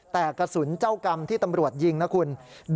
แต่กระสุนเจ้ากรรมที่ตำรวจยิงนะคุณ